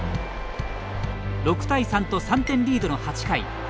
６対３と、３点リードの８回。